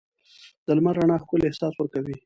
د لمر رڼا ښکلی احساس ورکوي.